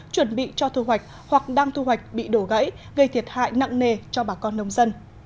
chuẩn bị cho thu hoạch hoặc đang thu hoạch bị đổ gãy gây thiệt hại nặng nề cho bà con nông dân